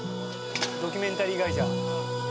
ドキュメンタリー会社。